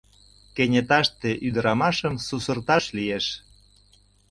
Кенеташте ӱдырамашым сусырташ лиеш...